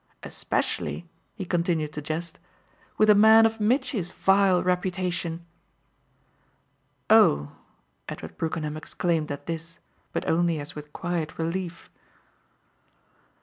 Especially," he continued to jest, "with a man of Mitchy's vile reputation." "Oh!" Edward Brookenham exclaimed at this, but only as with quiet relief.